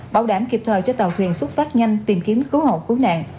bảo đảm kịp thời cho tàu thuyền xuất phát nhanh tìm kiếm cứu hộ cứu nạn